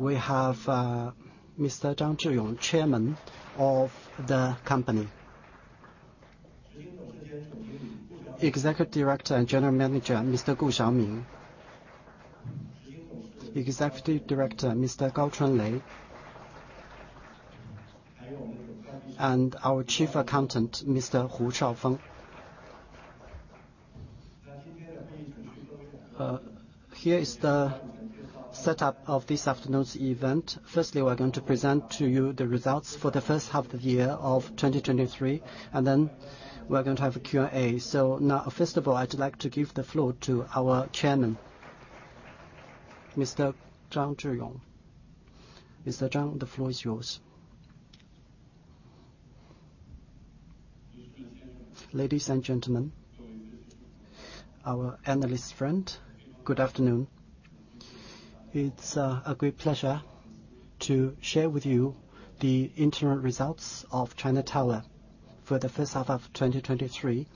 We have Mr. Zhang Zhiyong, Chairman of the company. Executive Director and General Manager, Mr. Gu Xiaoming. Executive Director, Mr. Gao Chunlei. Our Chief Accountant, Mr. Hu Shaofeng. Here is the setup of this afternoon's event. Firstly, we're going to present to you the results for the first half of the year of 2023, and then we're going to have a Q&A. First of all, I'd like to give the floor to our Chairman, Mr. Zhang Zhiyong. Mr. Zhang, the floor is yours. Ladies and gentlemen, our analyst friend, good afternoon. It's a great pleasure to share with you the interim results of China Tower for the first half of 2023,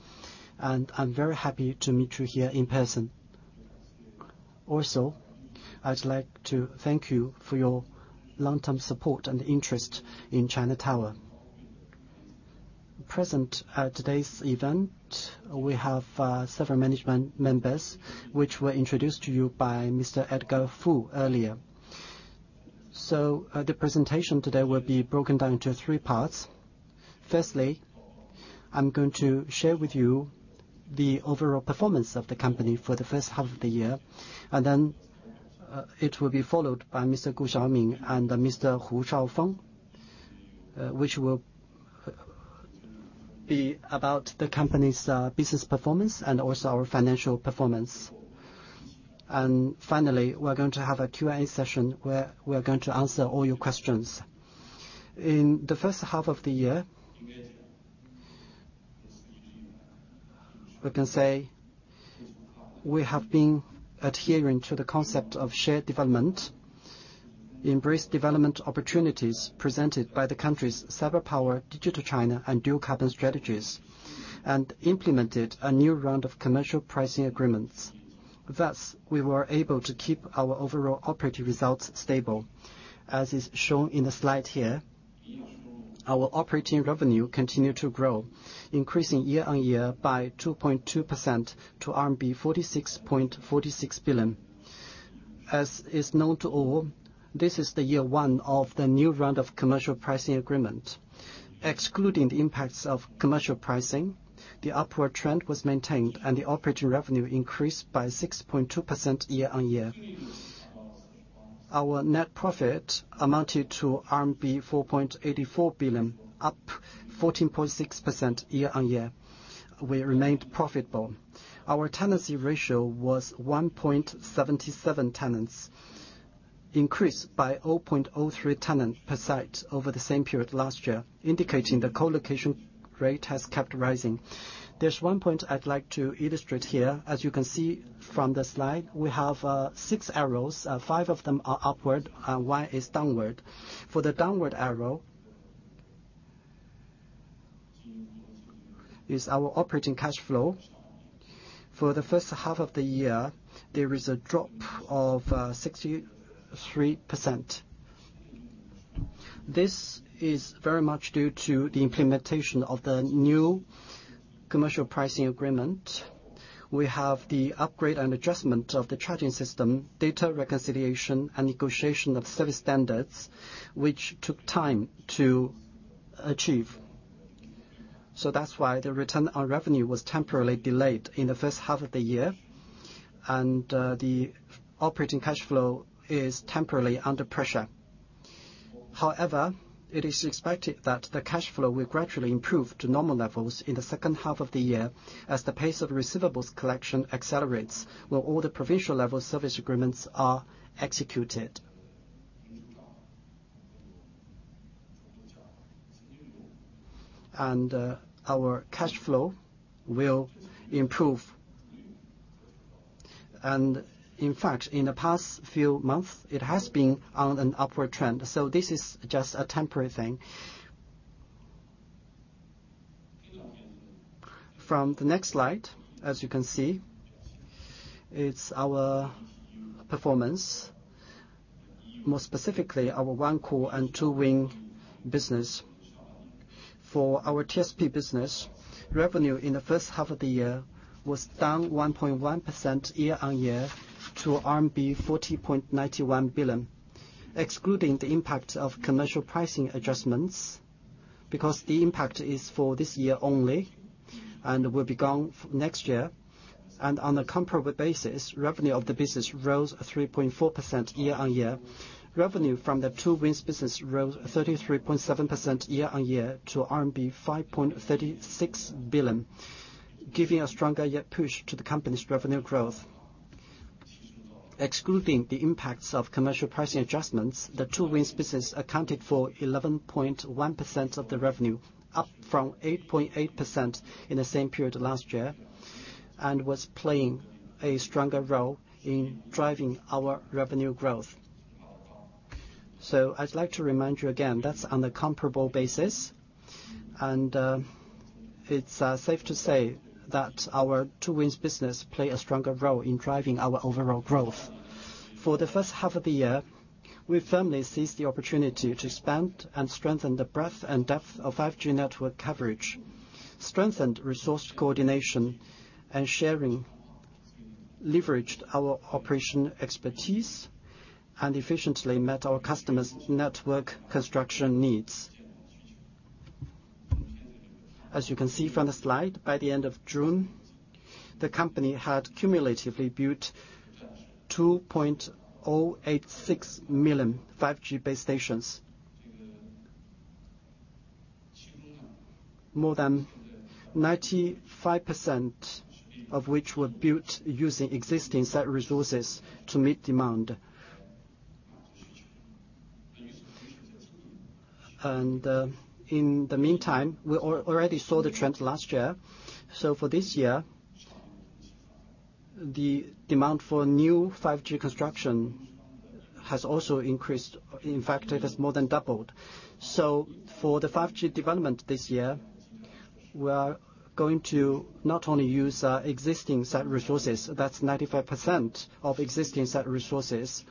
and I'm very happy to meet you here in person. I'd like to thank you for your long-term support and interest in China Tower. Present at today's event, we have several management members, which were introduced to you by Mr. Edgar Fu earlier. The presentation today will be broken down into 3 parts. Firstly, I'm going to share with you the overall performance of the company for the first half of the year, and then it will be followed by Mr. Gu Xiaomin and Mr. Hu Shaofeng, which will be about the company's business performance and also our financial performance. Finally, we're going to have a Q&A session, where we're going to answer all your questions. In the first half of the year, we can say we have been adhering to the concept of shared development, embraced development opportunities presented by the country's Cyberpower, Digital China and Dual Carbon strategies, and implemented a new round of Commercial Pricing Agreements. Thus, we were able to keep our overall operating results stable. As is shown in the slide here, our operating revenue continued to grow, increasing year-on-year by 2.2% to RMB 46.46 billion. As is known to all, this is the year one of the new round of Commercial Pricing Agreements. Excluding the impacts of commercial pricing, the upward trend was maintained, and the operating revenue increased by 6.2% year-on-year. Our net profit amounted to RMB 4.84 billion, up 14.6% year-on-year. We remained profitable. Our tenancy ratio was 1.77 tenants, increased by 0.03 tenant per site over the same period last year, indicating the co-location rate has kept rising. There's one point I'd like to illustrate here. As you can see from the slide, we have six arrows. Five of them are upward, and one is downward. For the downward arrow, is our operating cash flow. For the first half of the year, there is a drop of 63%. This is very much due to the implementation of the new Commercial Pricing Agreements. We have the upgrade and adjustment of the charging system, data reconciliation and negotiation of service standards, which took time to achieve. That's why the return on revenue was temporarily delayed in the first half of the year, and the operating cash flow is temporarily under pressure. However, it is expected that the cash flow will gradually improve to normal levels in the second half of the year, as the pace of receivables collection accelerates, where all the provincial level service agreements are executed. Our cash flow will improve. In fact, in the past few months, it has been on an upward trend, so this is just a temporary thing. From the next slide, as you can see, it's our performance, more specifically, our One Core and Two Wings business. For our TSP business, revenue in the first half of the year was down 1.1% year-on-year to RMB 40.91 billion. Excluding the impact of Commercial Pricing adjustments, because the impact is for this year only and will be gone next year. On a comparable basis, revenue of the business rose 3.4% year-on-year. Revenue from the Two Wings business rose 33.7% year-on-year to RMB 5.36 billion, giving a stronger yet push to the company's revenue growth. Excluding the impacts of commercial pricing adjustments, the Two Wings business accounted for 11.1% of the revenue, up from 8.8% in the same period last year, and was playing a stronger role in driving our revenue growth. I'd like to remind you again, that's on a comparable basis. It's safe to say that our Two Wings business play a stronger role in driving our overall growth. For the first half of the year, we firmly seized the opportunity to expand and strengthen the breadth and depth of 5G network coverage, strengthened resource coordination and sharing, leveraged our operation expertise, and efficiently met our customers' network construction needs. As you can see from the slide, by the end of June, the company had cumulatively built 2.086 million 5G base stations. More than 95% of which were built using existing site resources to meet demand. In the meantime, we already saw the trend last year. For this year, the demand for new 5G construction has also increased. In fact, it has more than doubled. For the 5G development this year, we are going to not only use existing site resources, that's 95% of existing site resources,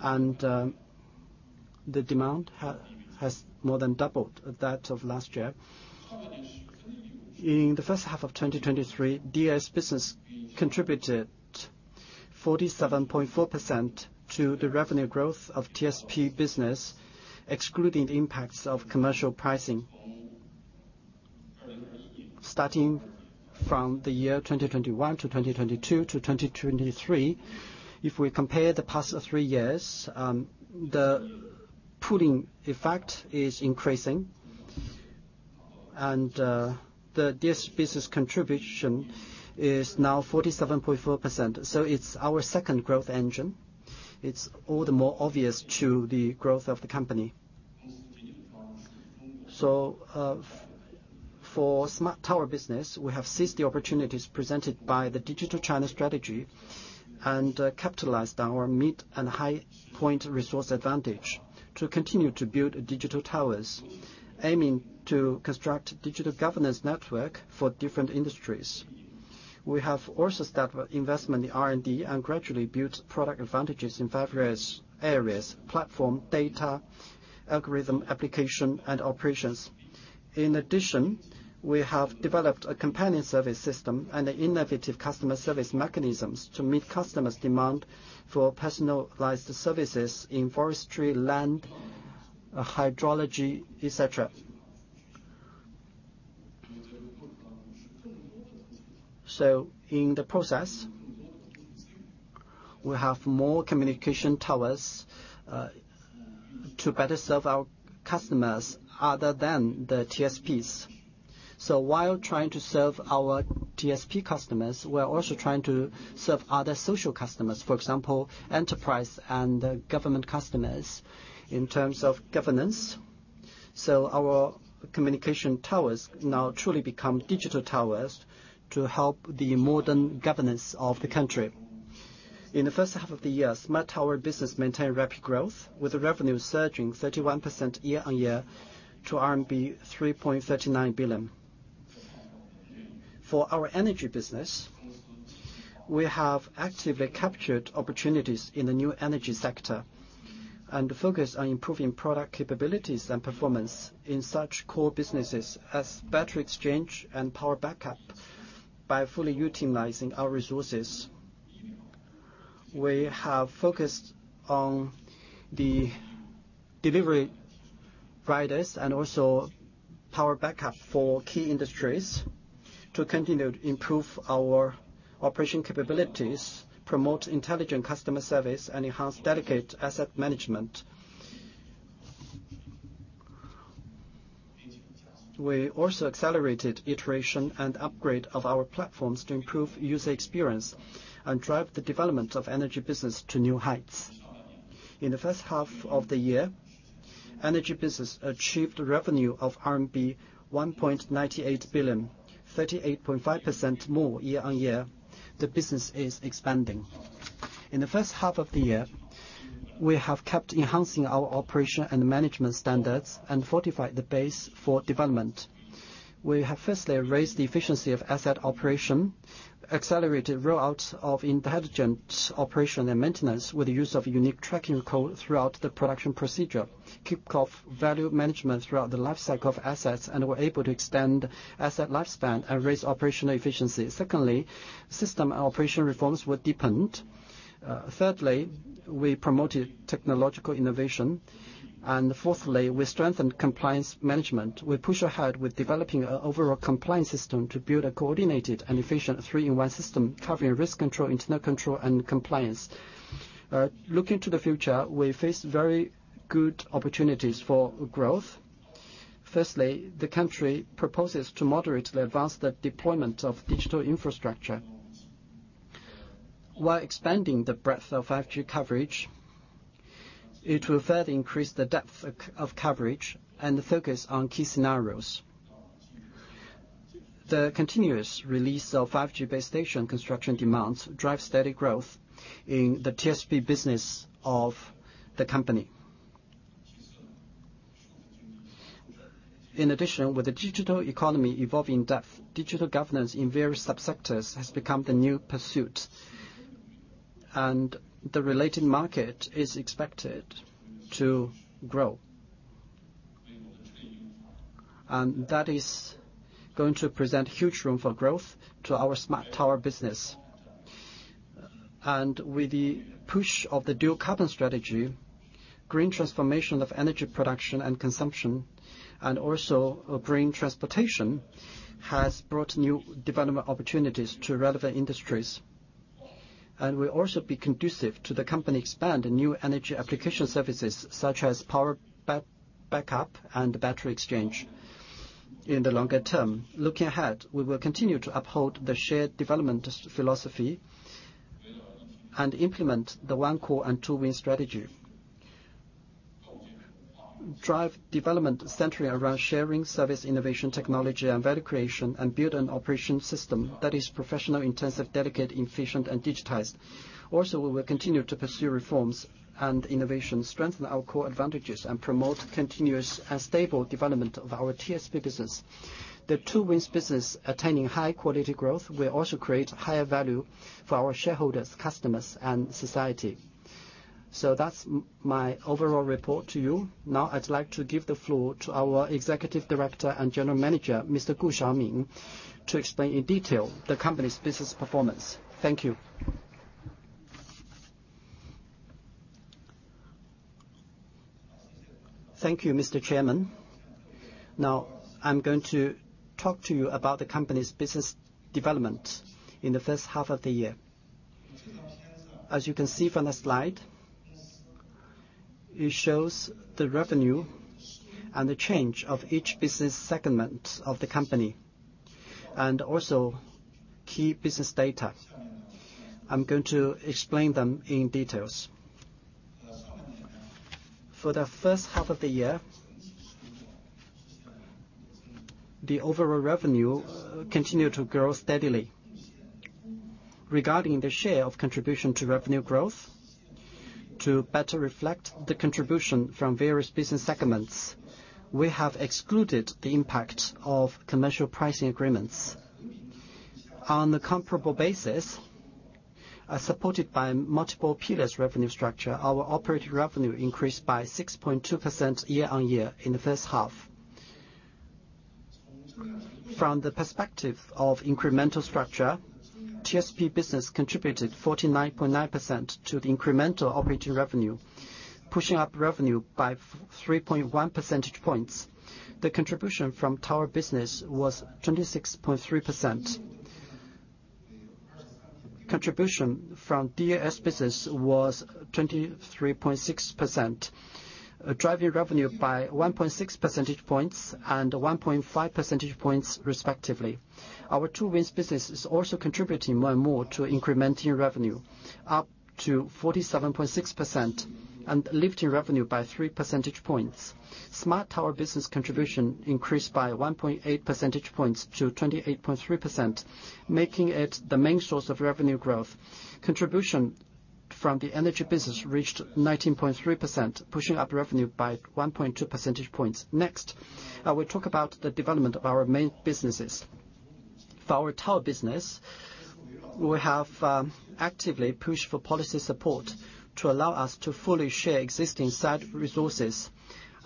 and the demand has more than doubled that of last year. In the first half of 2023, DS business contributed 47.4% to the revenue growth of TSP business, excluding the impacts of Commercial Pricing. Starting from the year 2021 to 2022 to 2023, if we compare the past three years, the pulling effect is increasing, and the DS business contribution is now 47.4%. It's our second growth engine. It's all the more obvious to the growth of the company. For Smart Tower business, we have seized the opportunities presented by the Digital China strategy and capitalized on our mid- and high-point resource advantage to continue to build digital towers, aiming to construct digital governance network for different industries. We have also stepped up investment in R&D and gradually built product advantages in various areas: platform, data, algorithm, application, and operations. In addition, we have developed a companion service system and the innovative customer service mechanisms to meet customers' demand for personalized services in forestry, land, hydrology, et cetera. In the process, we have more communication towers to better serve our customers other than the TSPs. While trying to serve our TSP customers, we're also trying to serve other social customers, for example, enterprise and government customers in terms of governance. Our communication towers now truly become digital towers to help the modern governance of the country. In the first half of the year, Smart Tower business maintained rapid growth, with the revenue surging 31% year-on-year to RMB 3.39 billion. For our Energy business, we have actively captured opportunities in the new energy sector, and focused on improving product capabilities and performance in such core businesses as battery exchange and power backup. By fully utilizing our resources, we have focused on the delivery riders and also power backup for key industries to continue to improve our operation capabilities, promote intelligent customer service, and enhance delicate asset management. We also accelerated iteration and upgrade of our platforms to improve user experience and drive the development of Energy business to new heights. In the first half of the year, Energy business achieved a revenue of RMB 1.98 billion, 38.5% more year-on-year. The business is expanding. In the first half of the year, we have kept enhancing our operation and management standards and fortified the base for development. We have firstly raised the efficiency of asset operation, accelerated rollout of intelligent operation and maintenance with the use of unique tracking code throughout the production procedure, kicked off value management throughout the life cycle of assets, and were able to extend asset lifespan and raise operational efficiency. Secondly, system and operation reforms were deepened. Thirdly, we promoted technological innovation. Fourthly, we strengthened compliance management. We pushed ahead with developing an overall compliance system to build a coordinated and efficient three-in-one system, covering risk control, internal control, and compliance. Looking to the future, we face very good opportunities for growth. Firstly, the country proposes to moderately advance the deployment of digital infrastructure. While expanding the breadth of 5G coverage, it will further increase the depth of coverage and focus on key scenarios. The continuous release of 5G base station construction demands drive steady growth in the TSP business of the company. In addition, with the digital economy evolving in depth, digital governance in various subsectors has become the new pursuit, and the related market is expected to grow. That is going to present huge room for growth to our Smart Tower business. With the push of the Dual Carbon strategy, green transformation of energy production and consumption, and also a green transportation, has brought new development opportunities to relevant industries. Will also be conducive to the company expand the new energy application services, such as power backup and battery exchange in the longer term. Looking ahead, we will continue to uphold the shared development philosophy and implement the One Core and Two Wings strategy. Drive development centered around sharing, service, innovation, technology, and value creation, and build an operation system that is professional, intensive, dedicated, efficient, and digitized. We will continue to pursue reforms and innovation, strengthen our core advantages, and promote continuous and stable development of our TSP business. The Two Wings business, attaining high quality growth, will also create higher value for our shareholders, customers, and society. That's my overall report to you. I'd like to give the floor to our Executive Director and General Manager, Mr. Gu Xiaomin, to explain in detail the company's business performance. Thank you. Thank you, Mr. Chairman. I'm going to talk to you about the company's business development in the first half of the year. As you can see from the slide, it shows the revenue and the change of each business segment of the company, and also key business data. I'm going to explain them in detail. For the first half of the year, the overall revenue continued to grow steadily. Regarding the share of contribution to revenue growth, to better reflect the contribution from various business segments, we have excluded the impact of Commercial Pricing Agreements. On the comparable basis, as supported by multiple pillars revenue structure, our operating revenue increased by 6.2% year-over-year in the first half. From the perspective of incremental structure, TSP business contributed 49.9% to the incremental operating revenue, pushing up revenue by 3.1 percentage points. The contribution from Tower business was 26.3%. Contribution from DAS business was 23.6%, driving revenue by 1.6 percentage points and 1.5 percentage points, respectively. Our Two Wings business is also contributing more and more to incrementing revenue, up to 47.6% and lifting revenue by 3 percentage points. Smart Tower business contribution increased by 1.8 percentage points to 28.3%, making it the main source of revenue growth. Contribution from the Energy business reached 19.3%, pushing up revenue by 1.2 percentage points. Next, I will talk about the development of our main businesses. For our Tower business, we have actively pushed for policy support to allow us to fully share existing site resources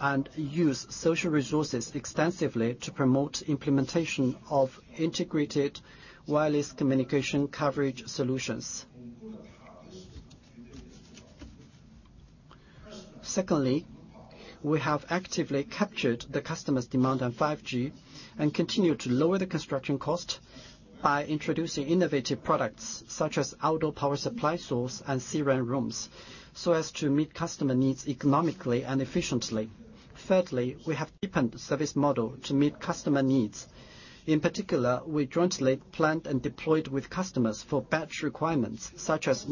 and use social resources extensively to promote implementation of integrated wireless communication coverage solutions. Secondly, we have actively captured the customers' demand on 5G and continued to lower the construction cost by introducing innovative products such as outdoor power supply source and C-RAN rooms, so as to meet customer needs economically and efficiently. Thirdly, we have deepened service model to meet customer needs. In particular, we jointly planned and deployed with customers for batch requirements such as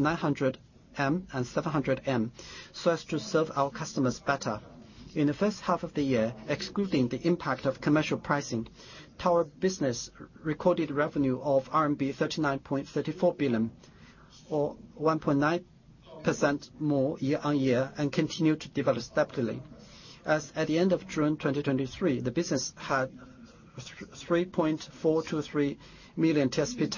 900M and 700M, so as to serve our customers better. In the first half of the year, excluding the impact of Commercial Pricing, Tower business recorded revenue of RMB 39.34 billion, or 1.9% more year-on-year, and continued to develop steadily. As at the end of June 2023, the business had 3.423 million TSP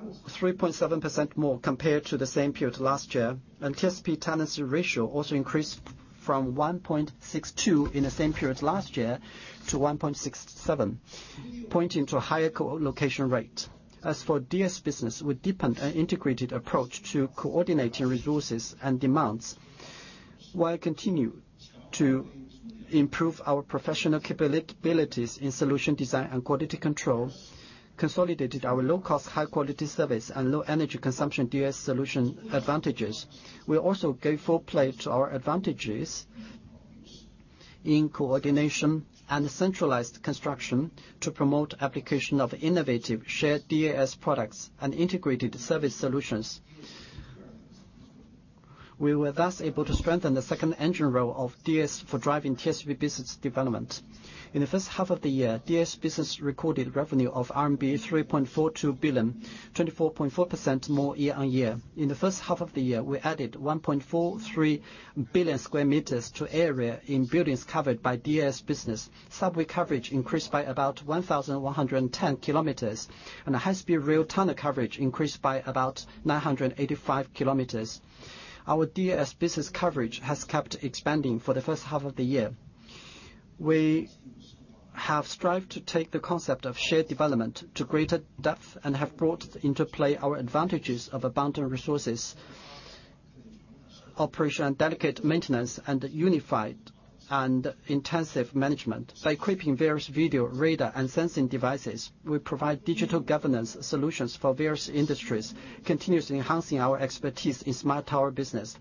tenants, 3.7% more compared to the same period last year, and TSP tenancy ratio also increased from 1.62 in the same period last year to 1.67, pointing to a higher co-location rate. As for DAS business, we deepened an integrated approach to coordinating resources and demands, while continue to improve our professional capabilities in solution design and quality control, consolidated our low-cost, high-quality service and low energy consumption DAS solution advantages. We also gave full play to our advantages in coordination and centralized construction to promote application of innovative shared DAS products and integrated service solutions. We were thus able to strengthen the second engine role of DS for driving TSP business development. In the first half of the year, DS business recorded revenue of RMB 3.42 billion, 24.4% more year-on-year. In the first half of the year, we added 1.43 billion square meters to area in buildings covered by DS business. Subway coverage increased by about 1,110 km, and the high-speed rail tunnel coverage increased by about 985 km. Our DS business coverage has kept expanding for the first half of the year. We have strived to take the concept of shared development to greater depth, and have brought into play our advantages of abundant resources, operation and dedicated maintenance, and unified and intensive management. By equipping various video, radar, and sensing devices, we provide digital governance solutions for various industries, continuously enhancing our expertise in Smart Tower business.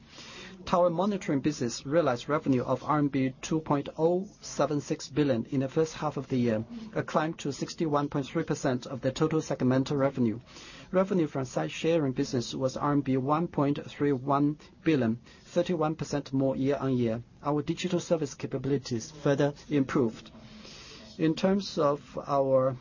Tower monitoring business realized revenue of RMB 2.076 billion in the first half of the year, a climb to 61.3% of the total segmental revenue. Revenue from site sharing business was RMB 1.31 billion, 31% more year-on-year. Our digital service capabilities further improved. In terms of our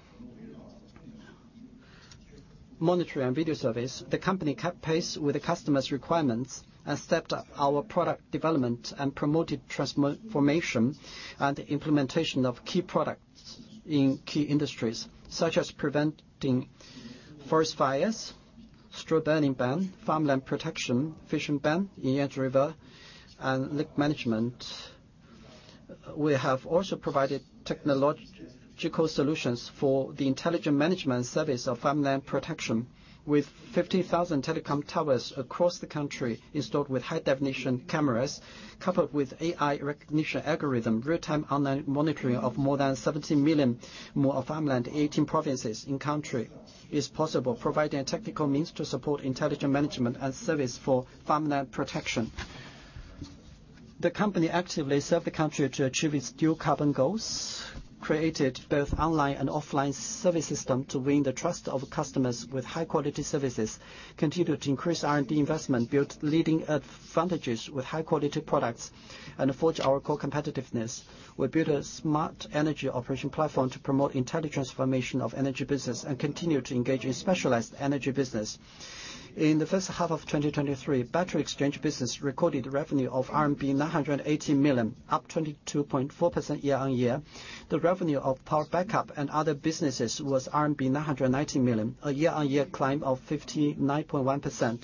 monitoring and video service, the company kept pace with the customer's requirements and stepped up our product development, and promoted transformation and implementation of key products in key industries, such as preventing forest fires, straw burning ban, farmland protection, fishing ban in Yangtze River and lake management. We have also provided technological solutions for the intelligent management service of farmland protection, with 50,000 telecom towers across the country installed with high-definition cameras. Coupled with AI recognition algorithm, real-time online monitoring of more than 17 million more of farmland in 18 provinces in country is possible, providing technical means to support intelligent management and service for farmland protection. The company actively served the country to achieve its Dual Carbon goals, created both online and offline service system to win the trust of customers with high-quality services, continued to increase R&D investment, built leading advantages with high-quality products, and forge our core competitiveness. We built a Smart Energy Operation Platform to promote intelligent transformation of Energy Business, continue to engage in specialized Energy Business. In the first half of 2023, Battery Exchange Business recorded revenue of RMB 980 million, up 22.4% year-on-year. The revenue of Power Backup and other businesses was RMB 990 million, a year-on-year climb of 59.1%.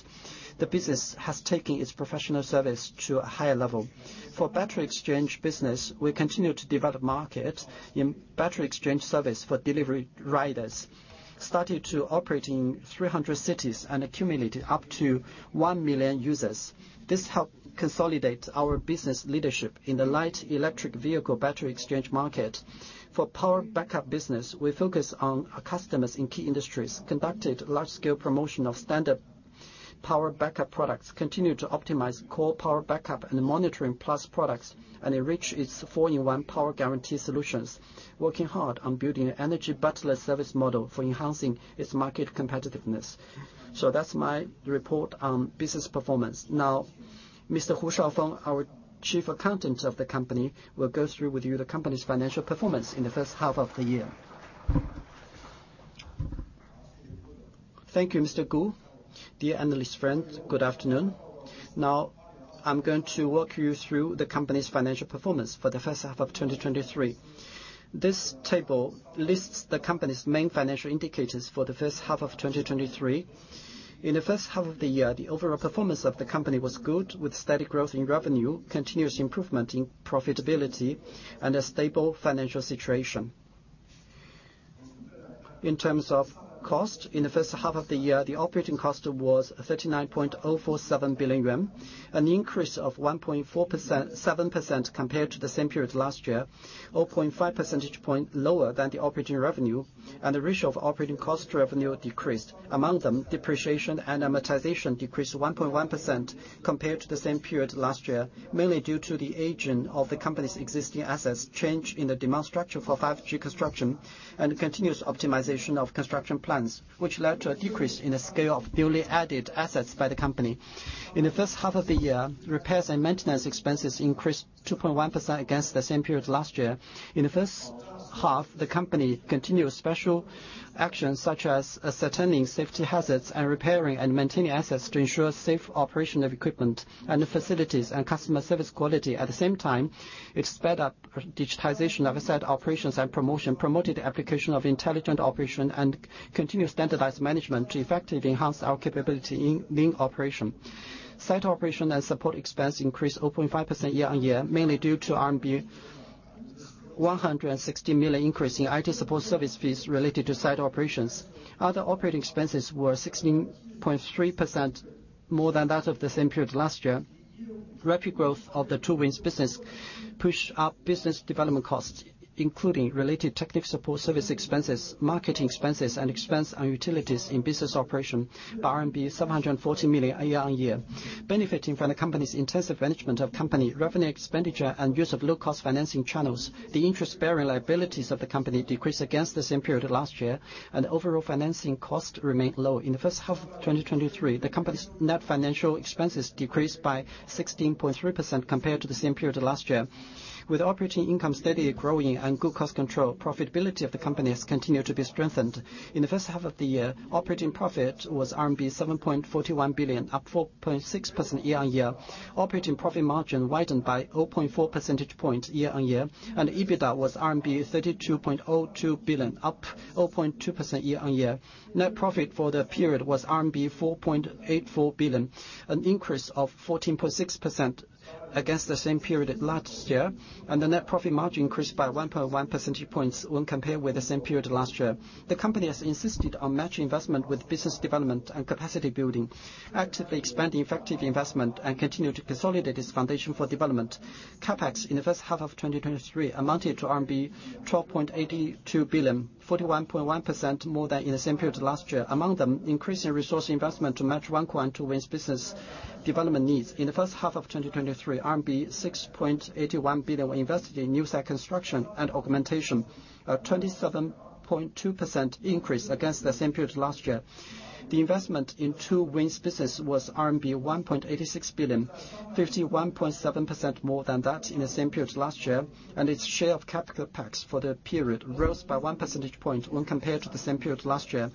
The business has taken its professional service to a higher level. For battery exchange business, we continue to develop market in battery exchange service for delivery riders. Started to operate in 300 cities and accumulated up to 1 million users. This helped consolidate our business leadership in the light electric vehicle battery exchange market. For power backup business, we focus on our customers in key industries, conducted large-scale promotion of standard power backup products, continued to optimize core power backup and monitoring plus products, and enrich its four-in-one power guarantee solutions. Working hard on building an energy battery service model for enhancing its market competitiveness. That's my report on business performance. Now, Mr. Hu Shaofeng, our Chief Accountant of the company, will go through with you the company's financial performance in the first half of the year. Thank you, Mr. Gu. Dear analyst friend, good afternoon. Now, I'm going to walk you through the company's financial performance for the first half of 2023. This table lists the company's main financial indicators for the first half of 2023. In the first half of the year, the overall performance of the company was good, with steady growth in revenue, continuous improvement in profitability, and a stable financial situation. In terms of cost, in the first half of the year, the operating cost was 39.047 billion yuan, an increase of 1.4%, 7% compared to the same period last year, or 0.5 percentage point lower than the operating revenue, and the ratio of operating cost to revenue decreased. Among them, depreciation and amortization decreased 1.1% compared to the same period last year, mainly due to the aging of the company's existing assets, change in the demand structure for 5G construction, and continuous optimization of construction plans, which led to a decrease in the scale of newly added assets by the company. In the first half of the year, repairs and maintenance expenses increased 2.1% against the same period last year. In the first half, the company continued special actions, such as ascertaining safety hazards and repairing and maintaining assets to ensure safe operation of equipment and the facilities and customer service quality. At the same time, it sped up digitization of asset operations and promotion, promoted the application of intelligent operation, and continued standardized management to effectively enhance our capability in operation. Site operation and support expense increased 0.5% year-on-year, mainly due to RMB 160 million increase in IT support service fees related to site operations. Other operating expenses were 16.3% more than that of the same period last year. Rapid growth of the Two Wings business pushed up business development costs, including related technical support, service expenses, marketing expenses, and expense on utilities in business operation by RMB 740 million year-on-year. Benefiting from the company's intensive management of company, revenue expenditure, and use of low-cost financing channels, the interest-bearing liabilities of the company decreased against the same period last year, and overall financing costs remained low. In the first half of 2023, the company's net financial expenses decreased by 16.3% compared to the same period last year. With operating income steadily growing and good cost control, profitability of the company has continued to be strengthened. In the first half of the year, operating profit was RMB 7.41 billion, up 4.6% year-on-year. Operating profit margin widened by 0.4 percentage point year-on-year, and EBITDA was RMB 32.02 billion, up 0.2% year-on-year. Net profit for the period was RMB 4.84 billion, an increase of 14.6% against the same period last year, and the net profit margin increased by 1.1 percentage points when compared with the same period last year. The company has insisted on matching investment with business development and capacity building, actively expanding effective investment and continue to consolidate its foundation for development. CapEx in the first half of 2023 amounted to RMB 12.82 billion, 41.1% more than in the same period last year. Among them, increasing resource investment to match Wankuan to win business development needs. In the first half of 2023, RMB 6.81 billion were invested in new site construction and augmentation, a 27.2% increase against the same period last year. The investment in Two Wings business was RMB 1.86 billion, 51.7% more than that in the same period last year, and its share of CapEx for the period rose by 1 percentage point when compared to the same period last year.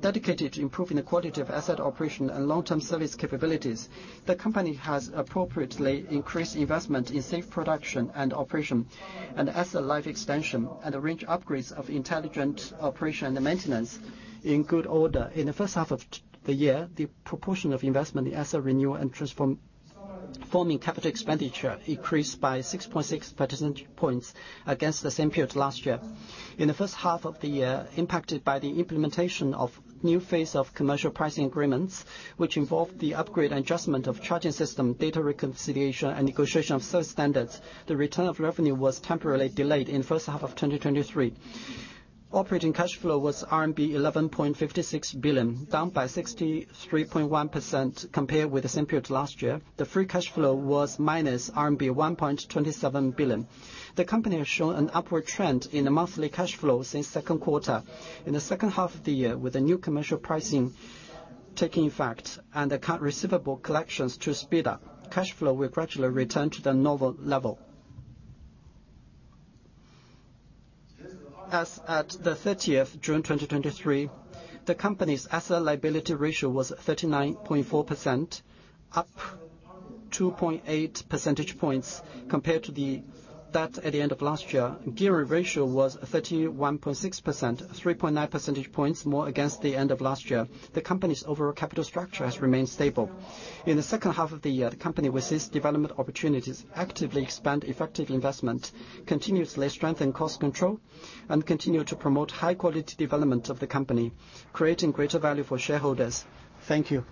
Dedicated to improving the quality of asset operation and long-term service capabilities, the company has appropriately increased investment in safe production and operation, and asset life extension, and a range of upgrades of intelligent operation and maintenance in good order. In the first half of the year, the proportion of investment in asset renewal and transform, forming capital expenditure increased by 6.6 percentage points against the same period last year. In the first half of the year, impacted by the implementation of new phase of Commercial Pricing Agreements, which involved the upgrade and adjustment of charging system, data reconciliation, and negotiation of service standards, the return of revenue was temporarily delayed in first half of 2023. operating cash flow was RMB 11.56 billion, down by 63.1% compared with the same period last year. The free cash flow was RMB -1.27 billion. The company has shown an upward trend in the monthly cash flow since second quarter. In the second half of the year, with the new commercial pricing taking effect and account receivable collections to speed up, cash flow will gradually return to the normal level. As at June 30, 2023, the company's asset-liability ratio was 39.4%, up 2.8 percentage points compared to that at the end of last year. Gearing ratio was 31.6%, 3.9 percentage points more against the end of last year. The company's overall capital structure has remained stable. In the second half of the year, the company with these development opportunities, actively expand effective investment, continuously strengthen cost control, and continue to promote high-quality development of the company, creating greater value for shareholders. Thank you.